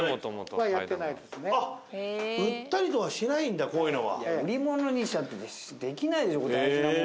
あっ売ったりとかしないんだこういうのは。